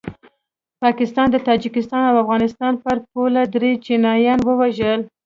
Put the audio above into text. پاکستان د تاجکستان او افغانستان پر پوله دري چینایان ووژل